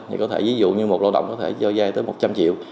thì có thể ví dụ như một lao động có thể cho vay tới một trăm linh triệu